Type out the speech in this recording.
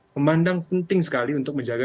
memandang penting sekali untuk menjaga